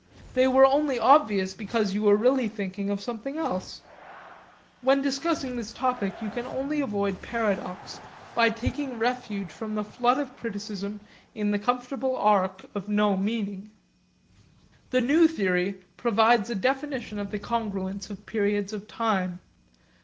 They were only obvious because you were really thinking of something else. When discussing this topic you can only avoid paradox by taking refuge from the flood of criticism in the comfortable ark of no meaning. The new theory provides a definition of the congruence of periods of time.